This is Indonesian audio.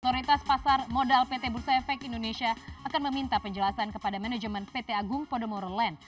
otoritas pasar modal pt bursa efek indonesia akan meminta penjelasan kepada manajemen pt agung podomoro land